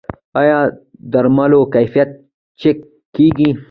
آیا د درملو کیفیت چک کیږي؟